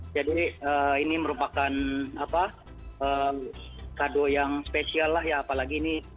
jadi ini merupakan apa kado yang spesial lah ya apalagi ini